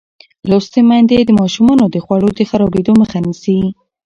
لوستې میندې د ماشومانو د خوړو د خرابېدو مخه نیسي.